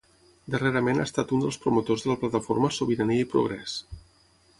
Darrerament ha estat un dels promotors de la plataforma Sobirania i Progrés.